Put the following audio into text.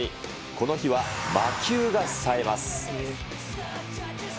この日は魔球がさえます。